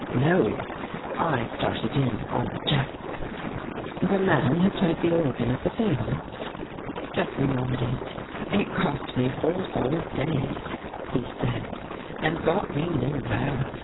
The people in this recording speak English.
No, I started in on the Jap." " The man who played the organ at the seance? " Jeffrey nodded. " It cost me four solid days," he said, " and got me nowhere.